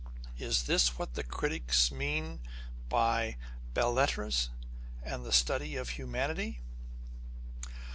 Is this what the critics mean by the belles lettres, and the study of humanity